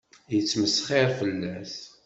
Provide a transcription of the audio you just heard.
Yettmesxiṛ fell-as.